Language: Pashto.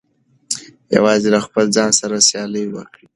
یوازې له خپل ځان سره سیالي وکړئ.